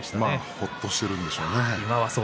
ほっとしているんでしょうね。